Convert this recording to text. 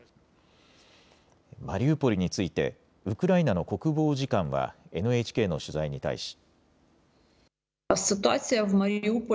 マリウポリについてウクライナの国防次官はＮＨＫの取材に対し。